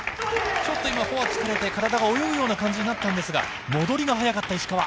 ちょっとフォアを突かれて体が泳ぐような感じになったんですが戻りが早かった、石川。